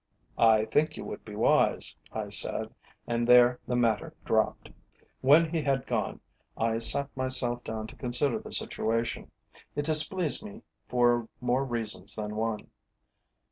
"I think you would be wise," I said, and there the matter dropped. When he had gone, I sat myself down to consider the situation. It displeased me for more reasons than one.